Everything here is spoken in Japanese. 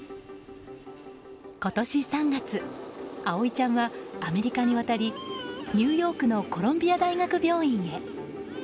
今年３月、葵ちゃんはアメリカに渡りニューヨークのコロンビア大学病院へ。